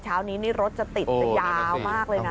เช้านี้นี่รถจะติดจะยาวมากเลยนะ